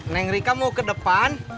neng rika mau ke depan